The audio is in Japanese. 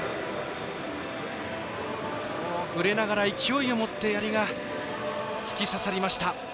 ぶれながら勢いを持ってやりが突き刺さりました。